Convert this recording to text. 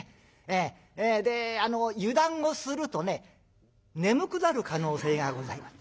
で油断をするとね眠くなる可能性がございます。